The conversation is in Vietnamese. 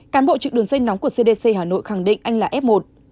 cán bộ trực đường dây nóng của cdc hà nội khẳng định anh là f một